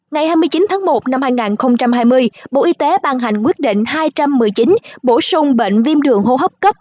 ngày hai mươi chín tháng một năm hai nghìn hai mươi bộ y tế ban hành quyết định hai trăm một mươi chín bổ sung bệnh viêm đường hô hấp cấp